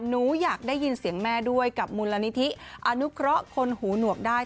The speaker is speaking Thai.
หนูอยากได้ยินเสียงแม่ด้วยกับมูลนิธิอนุเคราะห์คนหูหนวกได้